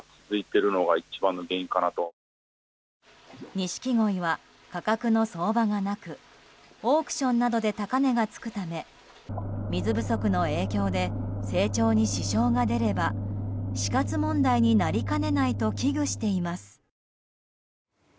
ニシキゴイは価格の相場がなくオークションなどで高値がつくため水不足の影響で成長に支障が出れば死活問題になりかねないと危惧しています。